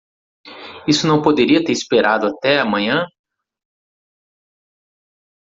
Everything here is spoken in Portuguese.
Isso não poderia ter esperado até a manhã?